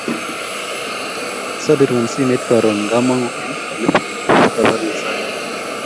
Sabiruun simet karoon ngamangu eng olepikesoe